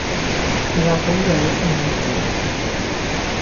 Jibakun yeabenu ínuu.